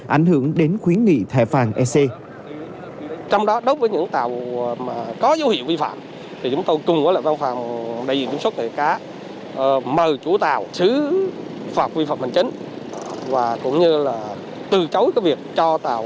ảnh hưởng đến khuyến nghị thải phạm ec